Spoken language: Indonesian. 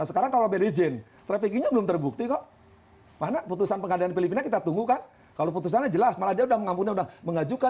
nah sekarang kalau berizin trafficking nya belum terbukti kok mana putusan pengadilan filipina kita tunggu kan kalau putusannya jelas malah dia sudah mengambilnya sudah mengajukan